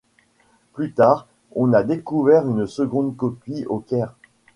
Plus tard on a découvert une seconde copie au Caire.